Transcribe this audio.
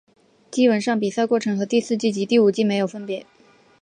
基本上比赛过程和第四季及第五季没有分别。